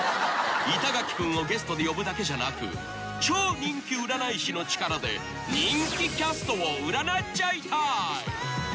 ［板垣君をゲストで呼ぶだけじゃなく超人気占い師の力で人気キャストを占っちゃいたい］